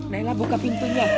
naila buka pintunya